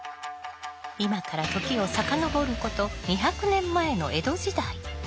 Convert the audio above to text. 今から時を遡ること２００年前の江戸時代。